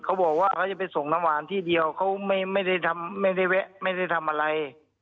เขาบอกว่าเขาจะไปส่งน้ำหวานที่เดียวเขาไม่ได้ทำไม่ได้แวะไม่ได้ทำอะไร